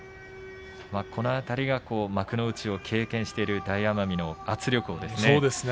この辺りが幕内を経験している大奄美の圧力。